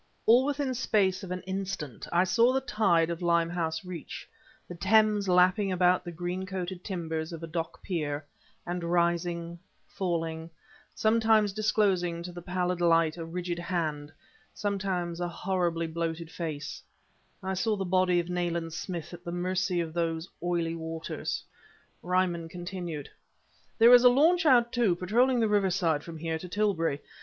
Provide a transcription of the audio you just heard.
All within space of an instant I saw the tide of Limehouse Reach, the Thames lapping about the green coated timbers of a dock pier; and rising falling sometimes disclosing to the pallid light a rigid hand, sometimes a horribly bloated face I saw the body of Nayland Smith at the mercy of those oily waters. Ryman continued: "There is a launch out, too, patrolling the riverside from here to Tilbury.